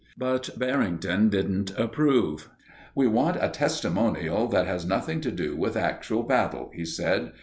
But Barrington didn't approve. "We want a testimonial that has nothing to do with actual battle," he said.